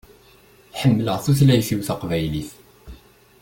Ḥemmleɣ tutlayt-iw taqbaylit.